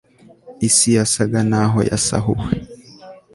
Isi yasaga naho yasahuwe